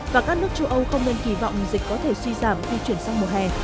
và các nước châu âu không nên kỳ vọng dịch có thể suy giảm khi chuyển sang mùa hè